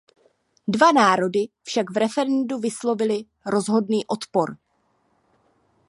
Dva národy však v referendu vyslovily rozhodný odpor.